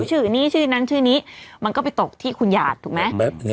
ชื่อนี้ชื่อนั้นชื่อนี้มันก็ไปตกที่คุณหยาดถูกไหม